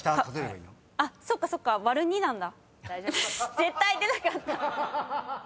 絶対出なかった。